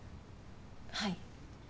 はい。